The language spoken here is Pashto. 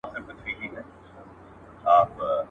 پر آس، ښځي او توري باور مه کوه.